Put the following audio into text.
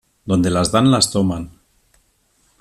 Donde las dan las toman.